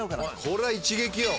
これは一撃よ。